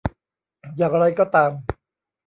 อย่างไรก็ตาม